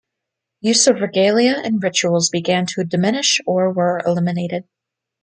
Use of regalia and rituals began to diminish or were eliminated.